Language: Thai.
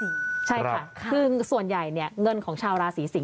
ก็เลยมีโอกาสว่าอาจจะได้ลาบมาแบบพลุกด้วยสำหรับราศีสิง